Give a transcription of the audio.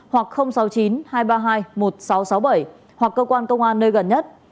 hoặc sáu mươi chín hai trăm ba mươi hai một nghìn sáu trăm sáu mươi bảy hoặc cơ quan công an nơi gần nhất